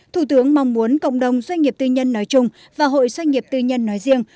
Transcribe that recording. thủ tướng mong muốn cộng đồng doanh nghiệp tư nhân nói chung và hội doanh nghiệp tư nhân nói riêng